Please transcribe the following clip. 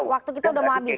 waktu kita sudah mau habis